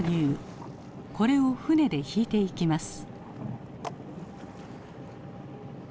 これを船で引いていきます。